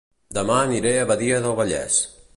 Dema aniré a Badia del Vallès